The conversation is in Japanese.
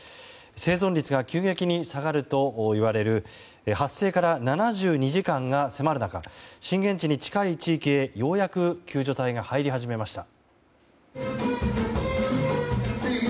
生存率が急激に下がるといわれる発生から７２時間が迫る中震源地に近い地域へ、ようやく救助隊が入り始めました。